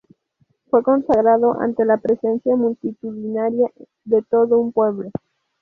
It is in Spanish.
Fue consagrado ante la presencia multitudinaria de todo un pueblo.